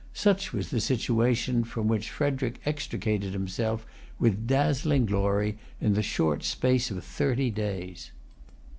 Such was the situation from which Frederic extricated himself, with dazzling glory, in the short space of thirty days.